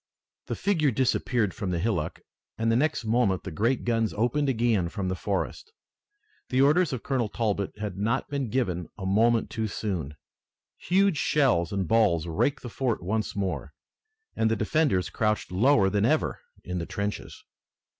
The figure disappeared from the hillock and the next moment the great guns opened again from the forest. The orders of Colonel Talbot had not been given a moment too soon. Huge shells and balls raked the fort once more and the defenders crouched lower than ever in the trenches.